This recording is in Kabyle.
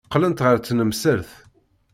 Qqlent ɣer tnemselt.